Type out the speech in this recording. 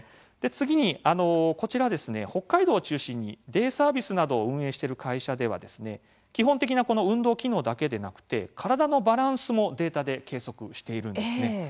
次に北海道を中心にデイサービスなどを運営している会社では基本的な運動機能だけでなくて体のバランスもデータで計測しているんです。